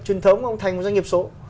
truyền thống ông thành một doanh nghiệp số